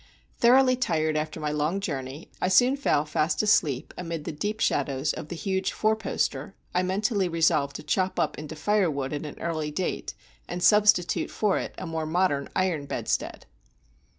Thoroughly tired after my long journey, I soon fell fast asleep amid the deep shadows of the huge four poster I mentally resolved to chop up into firewood at an early date, and substitute for it a more modern iron bedstead.